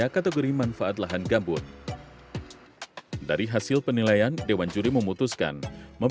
kemudian ketika sekolah saya dulu sma